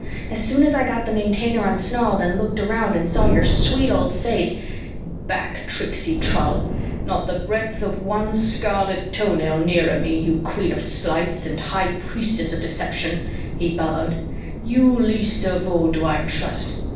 "As soon as I got the Maintainer unsnarled and looked around and saw your sweet old face " "Back, tricksy trull! Not the breadth of one scarlet toenail nearer me, you Queen of Sleights and High Priestess of Deception!" he bellowed. "You least of all do I trust.